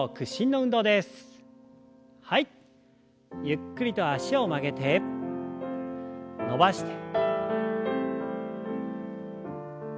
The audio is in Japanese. ゆっくりと脚を曲げて伸ばして。